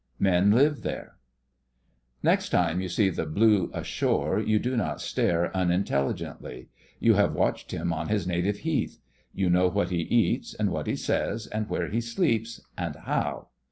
'MEN LIVE THERE' Next time you see the 'blue' ashore you do not stare unintelligently. You have watched him on his native heath. You know what he eats, and what he says, and where he sleeps, and how.